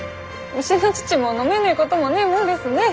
牛の乳も飲めねぇこともねぇもんですねぇ。